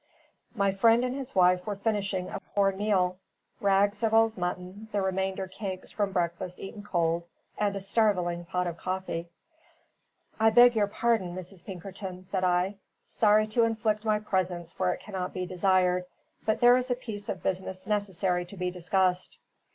My friend and his wife were finishing a poor meal rags of old mutton, the remainder cakes from breakfast eaten cold, and a starveling pot of coffee. "I beg your pardon, Mrs. Pinkerton," said I. "Sorry to inflict my presence where it cannot be desired; but there is a piece of business necessary to be discussed."